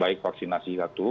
baik vaksinasi satu